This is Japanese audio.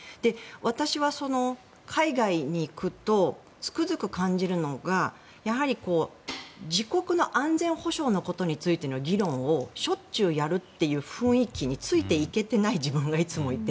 私は海外に行くとつくづく感じるのがやはり自国の安全保障のことについての議論をしょっちゅうやるという雰囲気についていけてない自分がいつもいて。